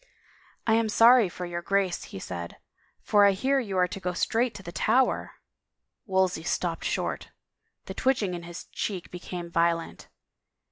" I am sorry for your Grace," he said, " for I hear you are to go straight to the Tower I " Wolsey stopped short. The twitching in his cheek be came violent.